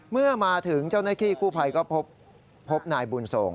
เมื่อมาถึงเจ้าหน้าที่กู้ภัยก็พบนายบุญส่ง